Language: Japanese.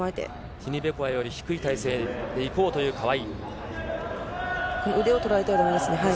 ティニベコワより低い体勢でいこうという川井。